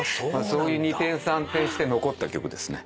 そういう二転三転して残った曲ですね。